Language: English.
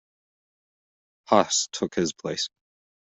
Hasse took his place.